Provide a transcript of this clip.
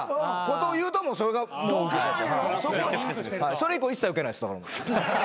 それ以降一切ウケないです。